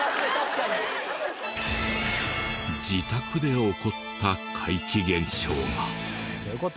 自宅で起こった怪奇現象が。